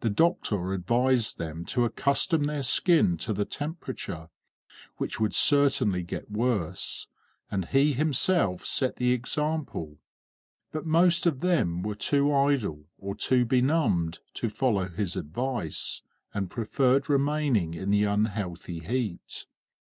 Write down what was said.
The doctor advised them to accustom their skin to the temperature, which would certainly get worse, and he himself set the example; but most of them were too idle or too benumbed to follow his advice, and preferred remaining in the unhealthy heat.